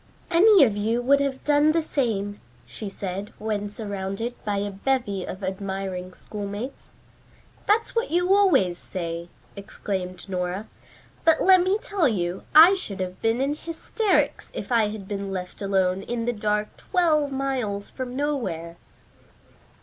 "Any of you would have done the same," she said when surrounded by a bevy of admiring schoolmates. "That's what you always say," exclaimed Nora. "But let me tell you I should have been in hysterics if I had been left alone in the dark twelve miles from nowhere."